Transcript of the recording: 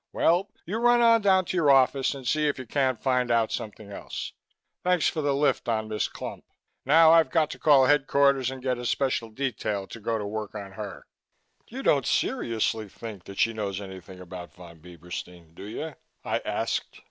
Well, you run on down to your office and see if you can't find out something else. Thanks for the lift on Miss Clump. Now I've got to call headquarters and get a special detail to go to work on her." "You don't seriously think that she knows anything about Von Bieberstein, do you?" I asked.